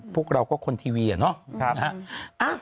พวกเราก็คนทีวีอะเนาะ